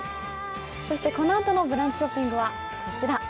このあとのブランチショッピングはこちら。